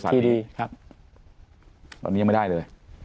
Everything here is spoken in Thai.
ตอนนี้ยังไม่ได้เลย